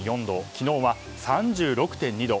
昨日は３６．２度。